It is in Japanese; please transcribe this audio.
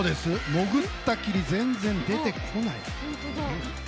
潜ったきり全然出てこない！